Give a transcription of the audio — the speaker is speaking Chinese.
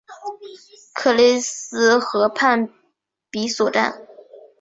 克勒兹河畔比索站。